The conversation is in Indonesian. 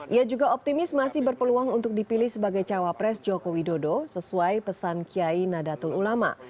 ia juga optimis masih berpeluang untuk dipilih sebagai cawapres jokowi dodo sesuai pesan kiai nadatul ulama